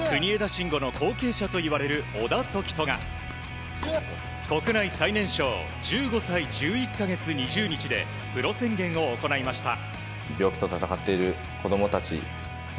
慎吾の後継者といわれる小田凱人が国内最年少１５歳１１か月２０日でプロ宣言を行いました。